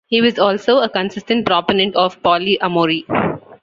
He was also a consistent proponent of polyamory.